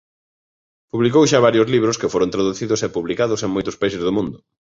Publicou xa varios libros que foron traducidos e publicados en moitos países do mundo.